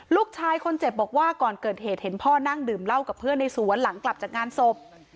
ลูกชายคนเจ็บบอกว่าก่อนเกิดเหตุเห็นพ่อนั่งดื่มเหล้ากับเพื่อนในสวนหลังกลับจากงานศพ